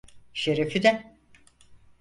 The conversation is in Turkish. Şerefine!